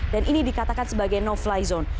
dan ini dikatakan sebagai no fly zone